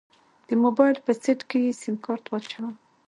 د موبايل په سيټ کې يې سيمکارت واچوه.